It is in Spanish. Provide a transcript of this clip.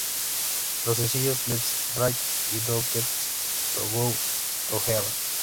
Los sencillos "Let's Ride" y "Do G's Get To Go To Heaven?